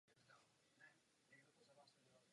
Původní budova pivovaru se přeměnila na obchodní dům.